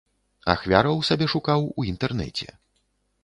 Ахвяраў сабе шукаў у інтэрнэце.